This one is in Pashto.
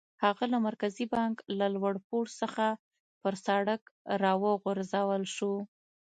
هغه له مرکزي بانک له لوړ پوړ څخه پر سړک را وغورځول شو.